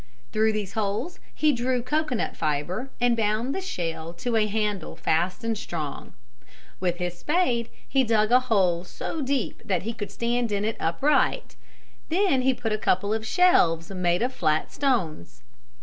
Through these holes he drew cocoanut fibre and bound the shell to a handle fast and strong. With his spade he dug a hole so deep that he could stand in it upright. Then he put in a couple of shelves made of flat stones.